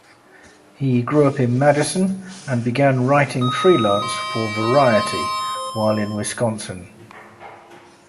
He grew up in Madison and began writing freelance for "Variety" while in Wisconsin.